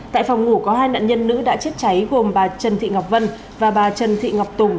tại phòng ngủ có hai nạn nhân nữ đã chết cháy gồm bà trần thị ngọc vân và bà trần thị ngọc tùng